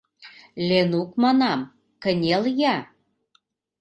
— Ленук, манам, кынел-я!